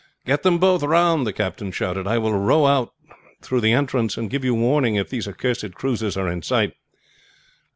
"Get them both round!" the captain shouted. "I will row out through the entrance and give you warning if these accursed cruisers are in sight."